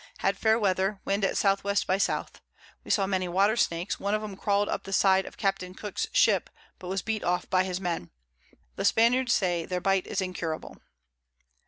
Had fair Weather, Wind at S. W. by S. We saw many Water snakes, one of 'em crawl'd up the Side of Capt. Cooke's Ship, but was beat off by his Men. The Spaniards say their Bite is incurable.